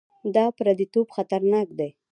دا پرديتوب خطرناک دی.